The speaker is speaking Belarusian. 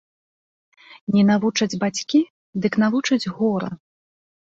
Не навучаць бацькі, дык навучыць гора